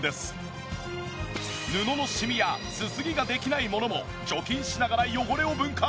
布のシミやすすぎができないものも除菌しながら汚れを分解！